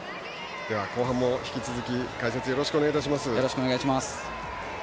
後半も引き続き解説をよろしくお願いいたします。